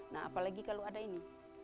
nah apalagi kalau ada ini